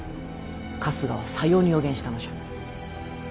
春日はさように予言したのじゃ。